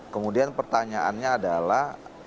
kemudian pertanyaannya adalah